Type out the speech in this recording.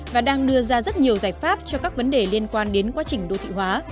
và đang đưa ra rất nhiều giải pháp cho các vấn đề liên quan đến quá trình đô thị hóa